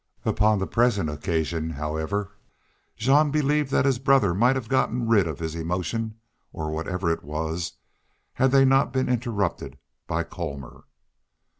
Upon the present occasion, however, Jean believed that his brother might have gotten rid of his emotion, or whatever it was, had they not been interrupted by Colmor.